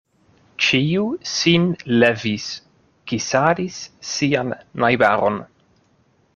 Ĉiu sin levis, kisadis sian najbaron.